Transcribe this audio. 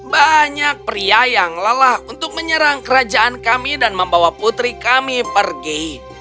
banyak pria yang lelah untuk menyerang kerajaan kami dan membawa putri kami pergi